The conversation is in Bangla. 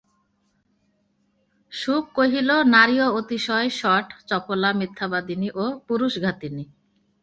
শুক কহিল, নারীও অতিশয় শঠ, চপলা, মিথ্যাবাদিনী ও পুরুষঘাতিনী।